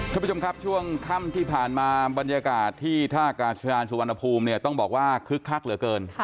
คุณผู้ชมครับช่วงค่ำที่ผ่านมาบรรยากาศที่ท่ากาศยานสุวรรณภูมิเนี่ยต้องบอกว่าคึกคักเหลือเกิน